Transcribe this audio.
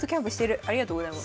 ありがとうございます。